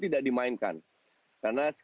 tidak dimainkan karena